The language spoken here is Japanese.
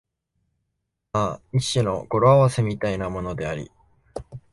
まあ一種の語呂合せみたいなものであり、